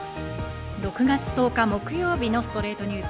６月１０日、木曜日の『ストレイトニュース』。